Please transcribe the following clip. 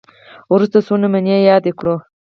وروسته څو نمونې یادې کړو